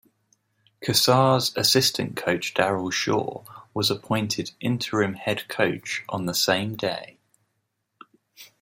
Cassar's assistant coach Daryl Shore was appointed interim head coach on the same day.